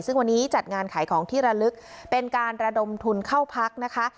ซึ่งวันนี้จัดงานขายของที่ระลึกเป็นการระดมทุนเข้าพักนะคะ